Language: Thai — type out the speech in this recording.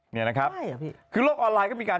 นี่นะครับคือโลกออนไลน์ก็มีการ